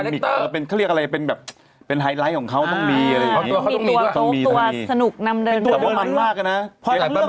มีตัวมันมากนะ